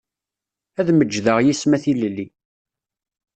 Ad mejdeɣ yis-m a tilelli.